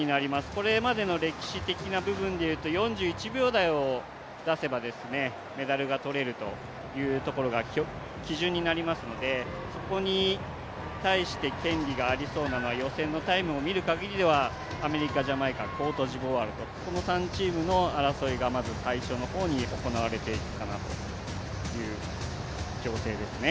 これまでの歴史的な部分でいくと４１秒台を出せば、メダルがとれるというところが基準になりますので、そこに対して権利がありそうなのは予選のタイムを見るかぎりではアメリカ、ジャマイカコートジボワールとその３チームの争いがまず最初の方に行われていくかなという情勢ですね。